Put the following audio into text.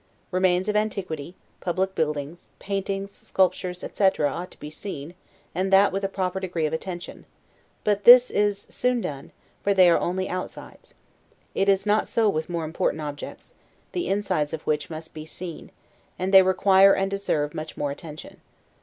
Remains of antiquity, public buildings, paintings, sculptures, etc., ought to be seen, and that with a proper degree of attention; but this is soon done, for they are only outsides. It is not so with more important objects; the insides of which must be seen; and they require and deserve much more attention.